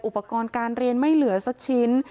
อุปกรณ์การเรียนไม่เหลือสักชิ้น